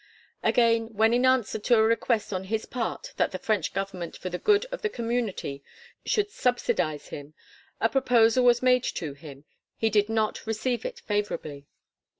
Again, when in answer to a request on his part that the French Government for the good of the community should subsidise him, a proposal was made to him, he did not receive it favourably.